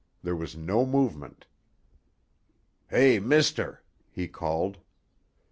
There was no movement. "Hey, mister," he called.